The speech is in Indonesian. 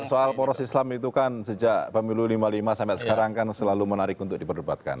soal poros islam itu kan sejak pemilu lima puluh lima sampai sekarang kan selalu menarik untuk diperdebatkan